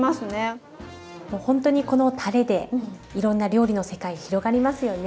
ほんとにこのたれでいろんな料理の世界広がりますよね。